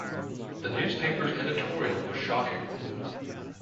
The newspaper's editorial was shocking.